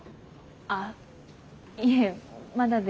あっいえまだで。